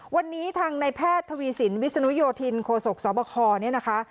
วันนี้ทางในแพทย์ทวีสินวิศนุโยธินโคศกสบคเนี่ยนะคะ